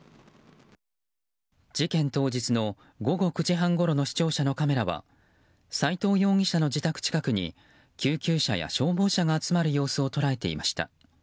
事件当日の午後９時半ごろの視聴者のカメラは斉藤容疑者の自宅近くに救急車や消防車が集まる様子を捉えていました。